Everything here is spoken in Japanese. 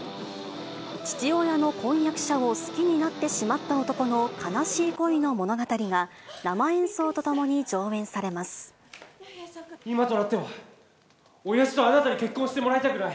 父親の婚約者を好きになってしまった男の悲しい恋の物語が、今となっては、おやじとあなたに結婚してもらいたくない。